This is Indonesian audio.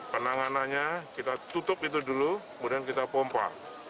penanganannya kita tutup itu dulu kemudian kita pompa